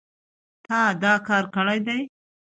تا دا کار کړی دی